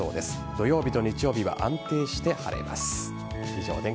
土曜日と日曜日は安定して晴れます。